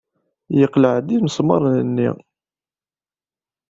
Yeqleɛ-d imesmaṛen-nni.